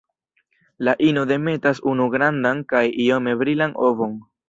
La ino demetas unu grandan kaj iome brilan ovon.